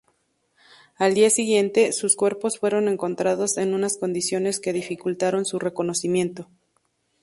Al día siguiente, sus cuerpos fueron encontrados en unas condiciones que dificultaron su reconocimiento.